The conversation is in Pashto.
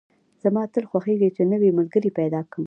زما تل خوښېږي چې نوی ملګري پیدا کدم